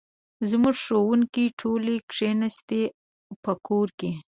زموږ ښوونکې ټولې کښېناستي په کور کې